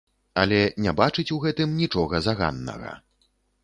Але не бачыць у гэтым нічога заганнага.